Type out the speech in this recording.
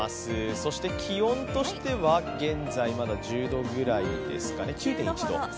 そして気温としては現在まだ１０度ぐらいですかね、９．１度。